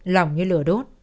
lỏng như lửa đốt